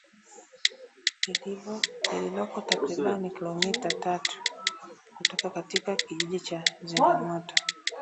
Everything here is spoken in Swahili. lililoko takriban kilomita tatu kutoka katika kijiji cha Zimamoto